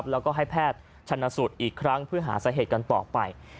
แล้วก็ให้แพทย์ชนสูตรอีกครั้งเพื่อหาสาเหตุกันต่อไป